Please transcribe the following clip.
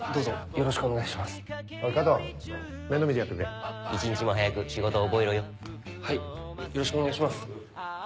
よろしくお願いします。